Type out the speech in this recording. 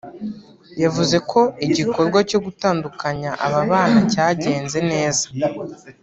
yavuze ko igikorwa cyo gutandukanya aba bana cyagenze neza